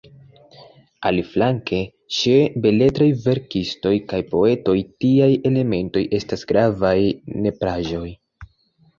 Aliflanke, ĉe beletraj verkistoj kaj poetoj, tiaj elementoj estas gravaj nepraĵoj.